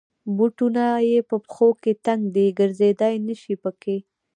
بوټونه یې په پښو کې تنګ دی. ګرځېدای نشی پکې.